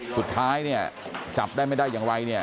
สุดท้ายเนี่ยจับได้ไม่ได้อย่างไรเนี่ย